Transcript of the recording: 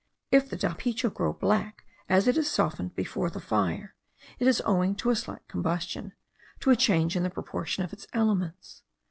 If the dapicho grow black as it is softened before the fire, it is owing to a slight combustion, to a change in the proportion of its elements.